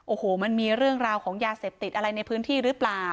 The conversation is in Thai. โอ้โหมันมีเรื่องราวของยาเสพติดอะไรในพื้นที่หรือเปล่า